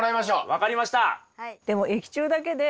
分かりました！